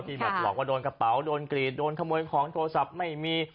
แบบหลอกว่าโดนกระเป๋าโดนกรีดโดนขโมยของโทรศัพท์ไม่มี